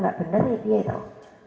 gak bener ya dia tau